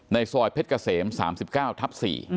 ซอยเพชรเกษม๓๙ทับ๔